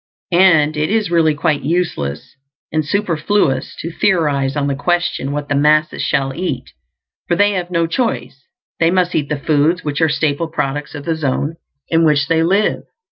And it is really quite useless and superfluous to theorize on the question what the masses shall eat, for they have no choice; they must eat the foods which are staple products of the zone in which they live.